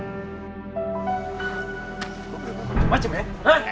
gue udah ngomong macem macem ya